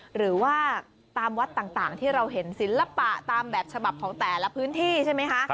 หรือว่าตามวัดต่างที่เราเห็นศิลปะตามแบบฉบับของแต่ละพื้นที่ใช่ไหมคะ